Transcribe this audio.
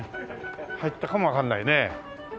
入ったかもわかんないね。